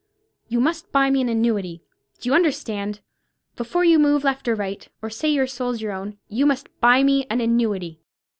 You must buy me an annuity. Do you understand? Before you move right or left, or say your soul's your own, you must buy me an annuity!"